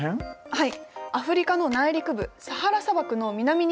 はい。